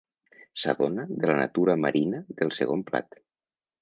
S'adona de la natura marina del segon plat.